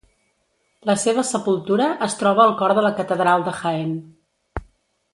La seva sepultura es troba al Cor de la Catedral de Jaén.